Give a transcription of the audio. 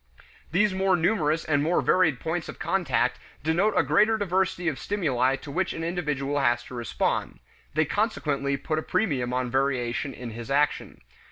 These more numerous and more varied points of contact denote a greater diversity of stimuli to which an individual has to respond; they consequently put a premium on variation in his action.